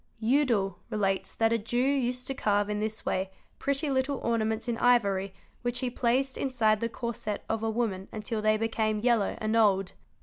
Hudel relates that a Jew used to carve in this way pretty little ornaments in ivory which he placed inside the corset of a woman until they became yellow and old.